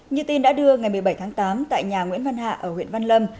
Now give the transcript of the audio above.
như tin đã đưa ngày một mươi bảy tháng tám tại nhà nguyễn văn hạ ở huyện văn lâm